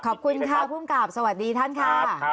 ขอบคุณค่ะภูมิกับสวัสดีท่านค่ะ